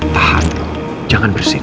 tahan jangan bersin